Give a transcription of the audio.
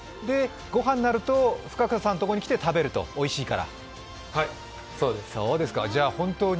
御飯になると深草さんの所に来て食べると、おいしいから。